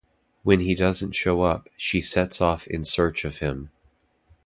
When he doesn't show up, she sets off in search of him.